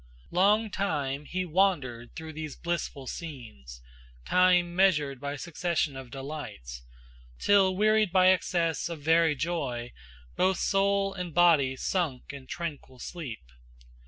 Long time he wandered through these blissful scenes, Time measured by succession of delights, Till wearied by excess of very joy Both soul and body sunk in tranquil sleep.